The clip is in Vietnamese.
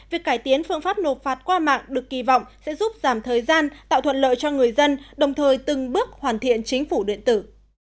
việc cải tiến phương pháp nộp phạt qua mạng được kỳ vọng sẽ giúp giảm thời gian tạo thuận lợi cho người dân đồng thời từng bước hoàn thiện chính phủ điện tử